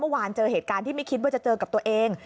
เมื่อวานเจอเหตุการณ์ที่ไม่คิดว่าจะเจอกับตัวเอง